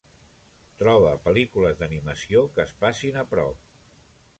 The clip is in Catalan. Troba pel·lícules d'animació que es passin a prop.